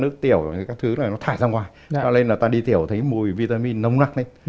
cho nên ngân tiểu sẽ thấy mùi vitamin nông nặng